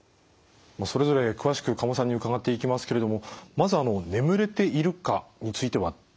それぞれ詳しく加茂さんに伺っていきますけれどもまずは「眠れているか？」についてはどうでしょう？